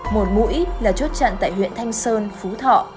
một mũi là chốt chặn tại huyện thanh sơn phú thọ